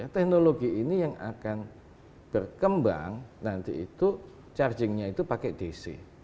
teknologi ini yang akan berkembang nanti itu chargingnya itu pakai dc